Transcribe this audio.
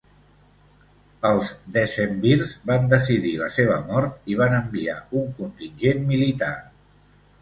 Els decemvirs van decidir la seva mort i van enviar un contingent militar.